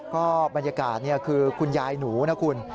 ก็บรรยากาศคือคุณยายหนูนะคุณ